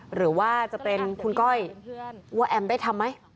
หรือว่าจะเป็นคุณก้อยว่าแอมได้ทำไหม